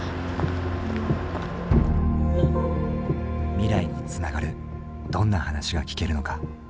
未来につながるどんな話が聞けるのか。